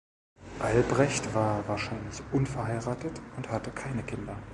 Albrecht war wahrscheinlich unverheiratet und hatte keine Kinder.